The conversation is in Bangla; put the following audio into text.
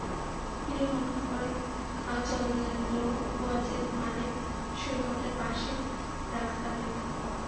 তিনি হনহন করে চলে গেলেন লো কোয়াজেত মানে সৈকতের পাশের রাস্তা বেয়ে।